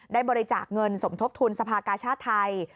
ได้บริจาคเงินสมทบทุนสภากาชาติไทย